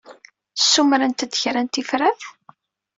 Ssumrent-d kra n tifrat?